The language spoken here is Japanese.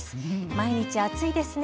毎日暑いですね。